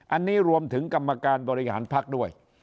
อันนี้รวมถึงกรรมการบริหารภักดิ์ด้วย